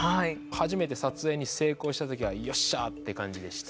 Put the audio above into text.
初めて撮影に成功した時は「よっしゃ！」って感じでした。